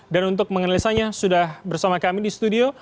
dan untuk menganalisanya sudah bersama kami di studio